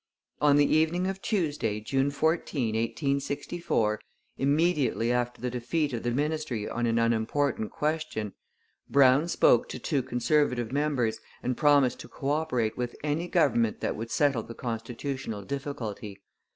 On the evening of Tuesday, June 14, 1864, immediately after the defeat of the ministry on an unimportant question, Brown spoke to two Conservative members and promised to co operate with any government that would settle the constitutional difficulty.